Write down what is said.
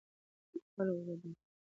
د خلکو ګډون د ټولنې پرمختګ اصل دی